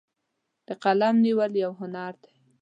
د قلم نیول یو هنر دی.